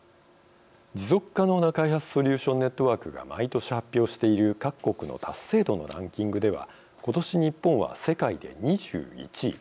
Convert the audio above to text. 持続可能な開発ソリューション・ネットワークが毎年発表している各国の達成度のランキングでは今年日本は世界で２１位。